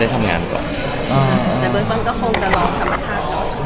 เราทำผู้สุขภาพปกติ